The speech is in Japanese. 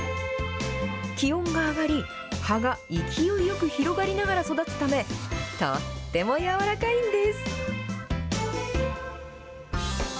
気温が上がり、葉が勢いよく広がりながら育つため、とってもやわらかいんです。